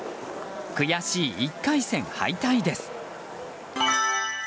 悔しい１回戦敗退です。